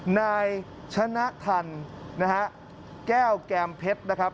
นายชนะธรรมแก้วแกรมเพชรนะครับ